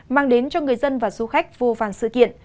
mang đến cho người dân và du khách vô vàn sự kiện